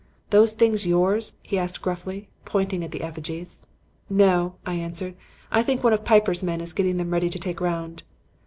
"'Those things yours?' he asked gruffly, pointing at the effigies. "'No,' I answered. 'I think one of Piper's men is getting them ready to take round.'